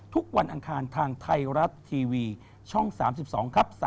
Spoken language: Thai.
อังคารทางไทยรัฐทีวีช่อง๓๒ครับ